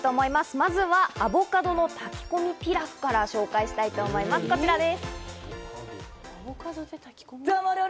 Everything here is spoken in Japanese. まずは、アボカドの炊き込みピラフからご紹介したいと思います、こちらです。